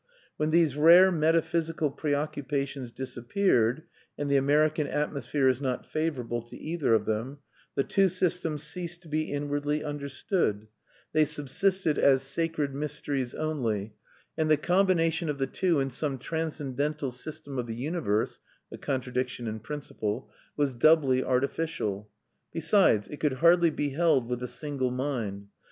When these rare metaphysical preoccupations disappeared and the American atmosphere is not favourable to either of them the two systems ceased to be inwardly understood; they subsisted as sacred mysteries only; and the combination of the two in some transcendental system of the universe (a contradiction in principle) was doubly artificial. Besides, it could hardly be held with a single mind.